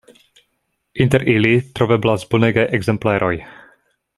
Inter ili troveblas bonegaj ekzempleroj.